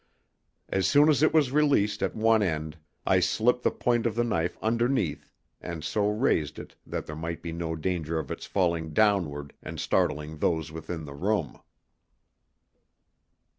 As soon as it was released at one end I slipped the point of the knife underneath and so raised it that there might be no danger of its falling downward and startling those within the room.